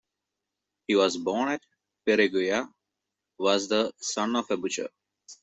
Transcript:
He was born at Perugia, was the son of a butcher.